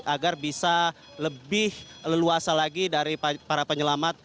agar bisa lebih leluasa lagi dari para penyelamat